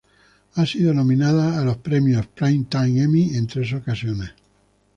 Ha sido nominada a los premios Primetime Emmy en tres ocasiones.